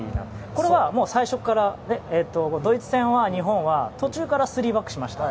これは最初から、ドイツ戦は日本は途中から３バックにしました。